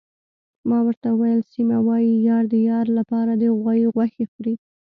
ما ورته وویل: سیمه، وايي یار د یار لپاره د غوايي غوښې خوري.